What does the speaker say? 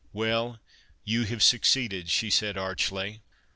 " Well, you have suc ceeded," said she archly.